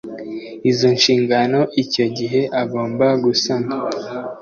izo nshingano icyo gihe agomba gusana